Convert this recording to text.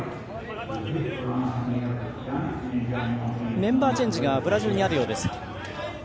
メンバーチェンジがブラジルにあるようです。